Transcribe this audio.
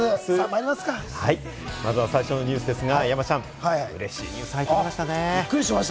まずは最初のニュースですが、山ちゃん、うれしいニュースが入ってきましたね。